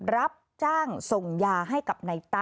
รับจ้างส่งยาให้กับนายตะ